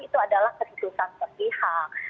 itu adalah kesusahan sepihak